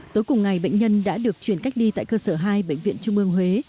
tối cùng ngày bệnh nhân đã được chuyển cách ly tại cơ sở hai bệnh viện trung ương huế